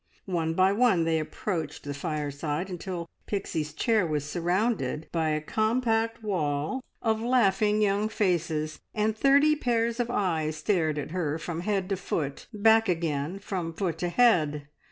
One by one they approached the fireside, until Pixie's chair was surrounded by a compact wall of laughing young faces, and thirty pairs of eyes stared at her from head to foot, back again from foot to head.